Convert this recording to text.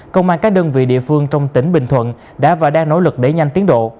công an các đơn vị địa phương trong tỉnh bình thuận đã và đang nỗ lực để nhanh tiến độ